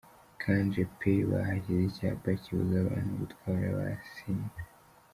Kanjepe bahasize icyapa kibuza abantu gutwara basinze.